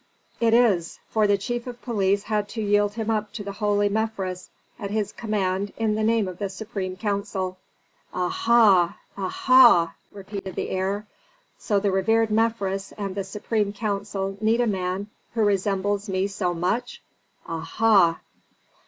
"It is, for the chief of police had to yield him up to the holy Mefres at his command in the name of the supreme council." "Aha! aha!" repeated the heir. "So the revered Mefres and the supreme council need a man who resembles me so much? Aha!